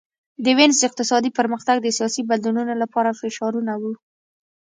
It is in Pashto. د وینز اقتصادي پرمختګ د سیاسي بدلونونو لپاره فشارونه وو